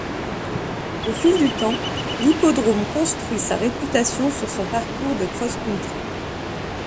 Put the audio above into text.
Au fil du temps, l'hippodrome construit sa réputation sur son parcours de cross-country.